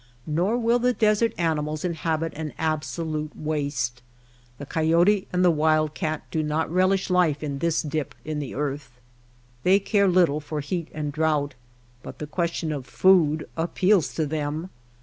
Nor will the desert animals inhabit an abso lute waste. The coyote and the wildcat do not relish life in this dip in the earth. They care little for heat and drouth, but the question of food appeals to them.